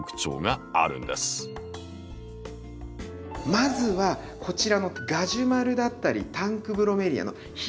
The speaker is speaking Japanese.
まずはこちらのガジュマルだったりタンクブロメリアの光が好きなもの。